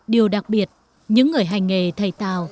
điều đặc biệt những người hành nghề thầy tàu